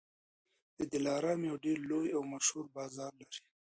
دلارام یو ډېر لوی او مشهور بازار لري.